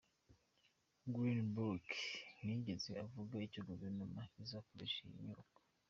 Grundboeck ntiyigeze avuga icyo guverinoma izakoresha iyo inyubako.